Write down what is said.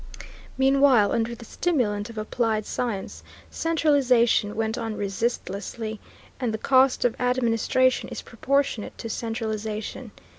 Meanwhile, under the stimulant of applied science, centralization went on resistlessly, and the cost of administration is proportionate to centralization.